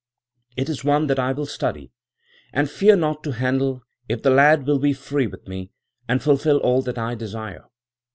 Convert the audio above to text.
It is one that I will study, and fear not to handle, if the lad will be free with me, and fulfil all that I desire.'